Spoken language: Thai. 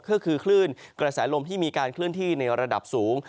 ก็คือคลื่นกระแสลมที่มีการเคลื่อนที่ในระดับสูง